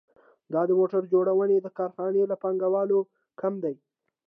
دا د موټر جوړونې د کارخانې له پانګوال کم دی